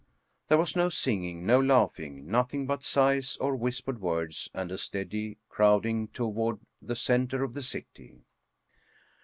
There was no singing, no laughing, nothing but sighs or whispered words and a steady crowding toward the center of the city.